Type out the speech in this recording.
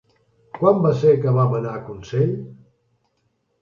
Quan va ser que vam anar a Consell?